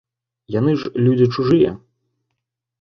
Яны ж людзі чужыя.